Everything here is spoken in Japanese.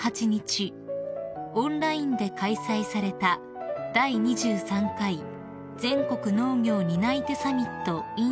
オンラインで開催された第２３回全国農業担い手サミットｉｎ